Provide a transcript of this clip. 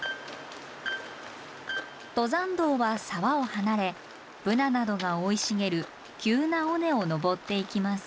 登山道は沢を離れブナなどが生い茂る急な尾根を登っていきます。